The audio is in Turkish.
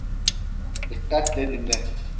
Dikkatle dinle.